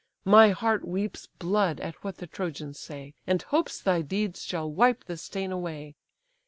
My heart weeps blood at what the Trojans say, And hopes thy deeds shall wipe the stain away.